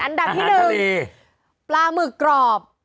อันดับที่๑ปลาหมึกกรอบ